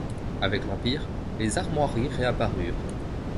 Avec l’Empire, les armoiries réapparurent.